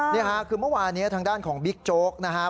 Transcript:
นี่ค่ะคือเมื่อวานนี้ทางด้านของบิ๊กโจ๊กนะครับ